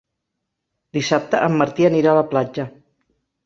Dissabte en Martí anirà a la platja.